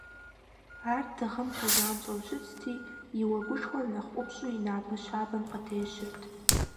Ар дыгъэм пэзанщӀэу щытти, и уэгушхэр нэхъ ӀупщӀу и напэ щабэм къытещырт.